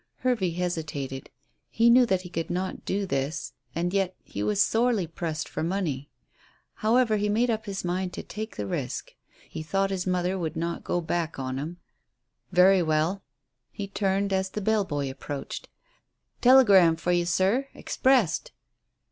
Hervey hesitated. He knew that he could not do this, and yet he was sorely pressed for money. However, he made up his mind to take the risk. He thought his mother would not go back on him. "Very well." He turned as the bell boy approached. "Telegram for you, sir; 'expressed.'"